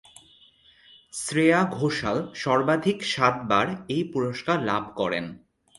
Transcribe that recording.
শ্রেয়া ঘোষাল সর্বাধিক সাতবার এই পুরস্কার লাভ করেন।